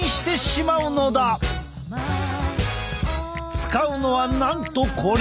使うのはなんとこれ！